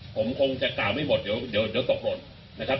ผมคงจะกล่าวไม่หมดเดี๋ยวตกหล่นนะครับ